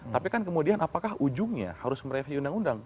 tapi kan kemudian apakah ujungnya harus mereview undang undang